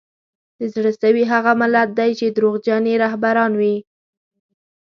د زړه سوي هغه ملت دی چي دروغجن یې رهبران وي